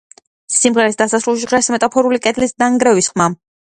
სიმღერის დასასრულს ჟღერს მეტაფორული კედლის დანგრევის ხმა.